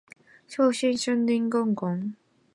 小江水库与旺盛江水库共同组成合浦水库。